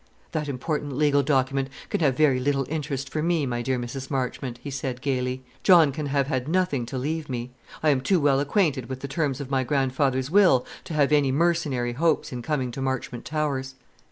"That important legal document can have very little interest for me, my dear Mrs. Marchmont," he said gaily. "John can have had nothing to leave me. I am too well acquainted with the terms of my grandfather's will to have any mercenary hopes in coming to Marchmont Towers."